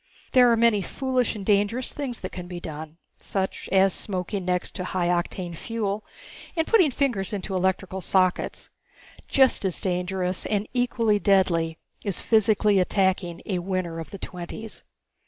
There are many foolish and dangerous things that can be done, such as smoking next to high octane fuel and putting fingers into electrical sockets. Just as dangerous, and equally deadly, is physically attacking a Winner of the Twenties.